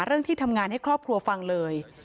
ที่ทำงานให้ครอบครัวฟังเลย